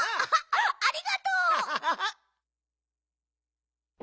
ありがとう！は！